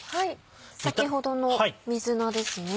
先ほどの水菜ですね。